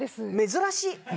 珍しい！